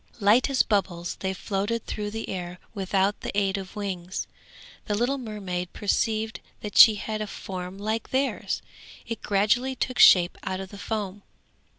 Light as bubbles they floated through the air without the aid of wings. The little mermaid perceived that she had a form like theirs; it gradually took shape out of the foam.